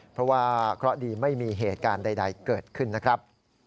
เพราะว่าเคราะห์ดีไม่มีเหตุการณ์ใดเกิดขึ้นนะครับ